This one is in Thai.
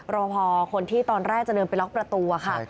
รอพอคนที่ตอนแรกจะเดินไปล็อกประตูค่ะ